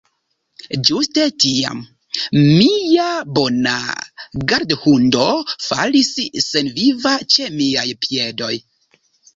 Ĝuste tiam, mia bona gardhundo falis senviva ĉe miaj piedoj.